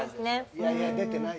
いやいや出てないし。